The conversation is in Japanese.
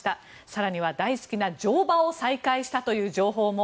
更には大好きな乗馬を再開したという情報も。